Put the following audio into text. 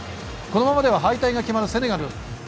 このままでは敗退が決まるセネガル。